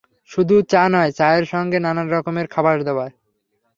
শুধু চা নয়, চায়ের সঙ্গে নানান রকমের খাবারদাবার।